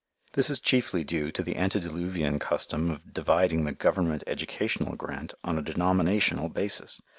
This is chiefly due to the antediluvian custom of dividing the Government educational grant on a denominational basis.